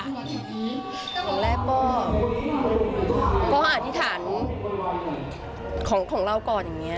อย่างแรกก็อธิษฐานของเราก่อนอย่างนี้